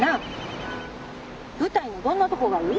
舞台のどんなとこがいい？